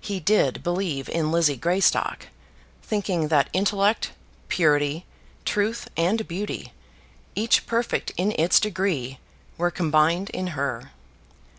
He did believe in Lizzie Greystock, thinking that intellect, purity, truth, and beauty, each perfect in its degree, were combined in her.